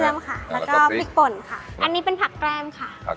ค่ะแล้วก็พริกป่นค่ะอันนี้เป็นผักแก้มค่ะ